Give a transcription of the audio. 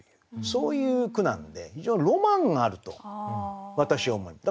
そういう句なんで非常にロマンがあると私は思います。